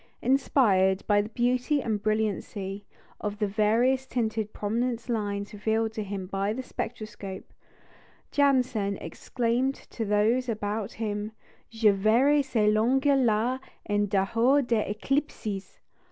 Inspired by the beauty and brilliancy of the variously tinted prominence lines revealed to him by the spectroscope, Janssen exclaimed to those about him, "Je verrai ces lignes là en dehors des éclipses!"